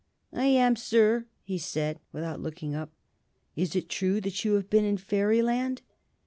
"I am, sir," he said, without looking up. "Is it true that you have been in Fairyland?"